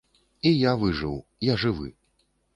І я выжыў, я жывы.